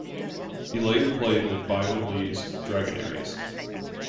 He later played with Byron Lee's Dragonaires.